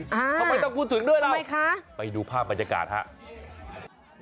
ทำไมต้องพูดถึงด้วยเราไปดูภาพบรรยากาศครับ